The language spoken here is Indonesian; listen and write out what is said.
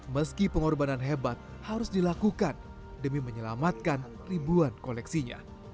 meski pengorbanan hebat harus dilakukan demi menyelamatkan ribuan koleksinya